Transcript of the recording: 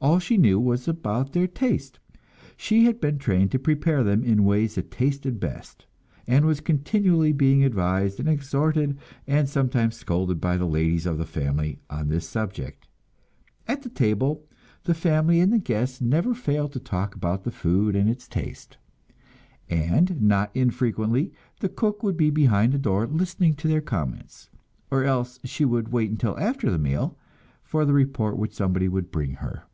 All she knew was about their taste; she had been trained to prepare them in ways that tasted best, and was continually being advised and exhorted and sometimes scolded by the ladies of the family on this subject. At the table the family and the guests never failed to talk about the food and its taste, and not infrequently the cook would be behind the door listening to their comments; or else she would wait until after the meal, for the report which somebody would bring her.